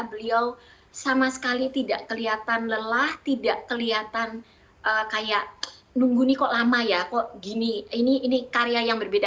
beliau sama sekali tidak kelihatan lelah tidak kelihatan kayak nunggu nih kok lama ya kok gini ini karya yang berbeda